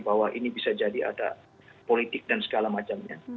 bahwa ini bisa jadi ada politik dan segala macamnya